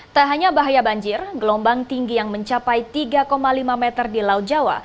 tak hanya bahaya banjir gelombang tinggi yang mencapai tiga lima meter di laut jawa